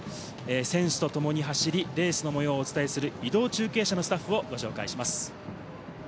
選手とともに走り、レースの模様をお伝えする移動中継車のスタッフをご紹介します。